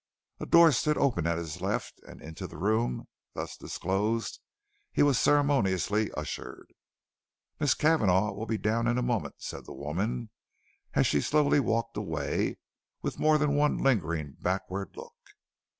A door stood open at his left, and into the room thus disclosed he was ceremoniously ushered. "Miss Cavanagh will be down in a moment," said the woman, as she slowly walked away, with more than one lingering backward look.